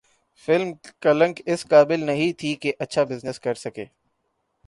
film Kalank اس قابل نہیں تھی کہ اچھا بزنس کرسکے